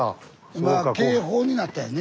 今は経法になったんやね。